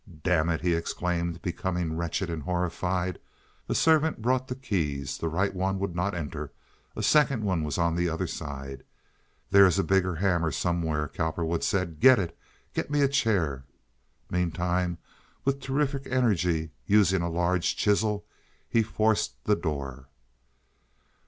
"Damn it!" he exclaimed, becoming wretched, horrified. A servant brought the keys. The right one would not enter. A second was on the other side. "There is a bigger hammer somewhere," Cowperwood said. "Get it! Get me a chair!" Meantime, with terrific energy, using a large chisel, he forced the door.